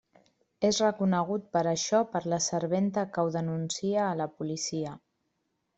És reconegut per això per la serventa que ho denuncia a la policia.